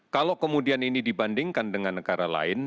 kalau kemudian ini dibandingkan dengan negara lain